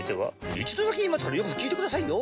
一度だけ言いますからよく聞いてくださいよ。